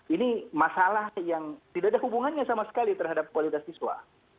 ini masalah yang tidak ada hubungannya sama sekali terhadap kualitas siswa